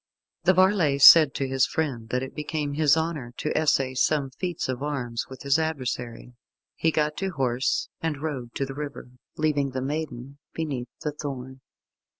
The varlet said to his friend that it became his honour to essay some feats of arms with this adversary. He got to horse, and rode to the river, leaving the maiden beneath the thorn.